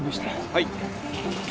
はい。